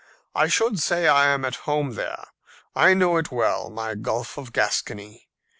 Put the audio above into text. I should say I am at home there. I know it well, my Gulf of Gascony.